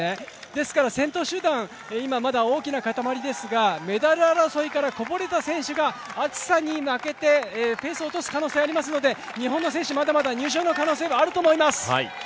ですから先頭集団、まだ大きな塊ですがメダル争いからこぼれた選手が暑さに負けてペースを落とす可能性がありますので日本の選手まだまだ入賞の可能性はあると思います。